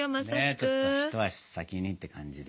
ちょっと一足先にって感じで。